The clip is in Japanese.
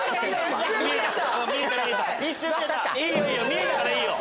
見えたからいいよ。